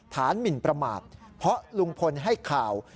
หมินประมาทเพราะลุงพลให้ข่าว